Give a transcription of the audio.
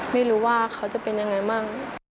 ไม่รู้ว่าเขาจะเป็นยังไงบ้าง